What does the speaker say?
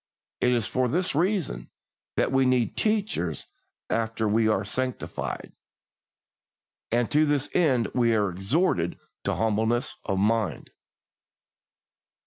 It is for this reason that we need teachers after we are sanctified, and to this end we are exhorted to humbleness of mind.